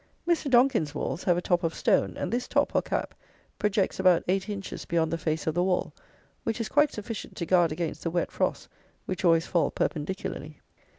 Mr. Donkin's walls have a top of stone; and this top, or cap, projects about eight inches beyond the face of the wall, which is quite sufficient to guard against the wet frosts which always fall perpendicularly.